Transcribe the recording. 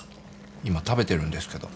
今食べてるんですけど。